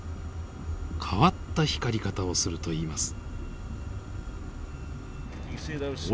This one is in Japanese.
変わった光り方をするといいます。